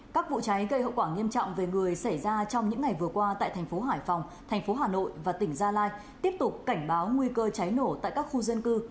các vụ cháy gây hậu quả nghiêm trọng về người xảy ra trong những ngày vừa qua tại thành phố hải phòng thành phố hà nội và tỉnh gia lai tiếp tục cảnh báo nguy cơ cháy nổ tại các khu dân cư